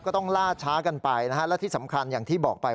ก็ต้องล่าช้ากันไปนะฮะและที่สำคัญอย่างที่บอกไป